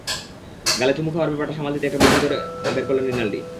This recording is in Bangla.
গালে চুমু খাওয়ার ব্যাপারটা সামাল দিতে একটা বুদ্ধি বের করলেন রিনালডি।